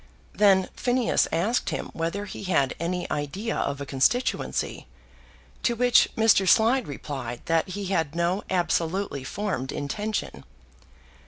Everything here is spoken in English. Then Phineas asked him whether he had any idea of a constituency, to which Mr. Slide replied that he had no absolutely formed intention.